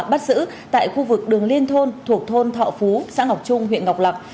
bắt giữ tại khu vực đường liên thôn thuộc thôn thọ phú xã ngọc trung huyện ngọc lạc